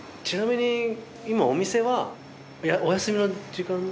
ちなみに今お店はお休みの時間。